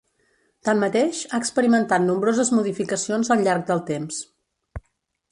Tanmateix, ha experimentat nombroses modificacions al llarg del temps.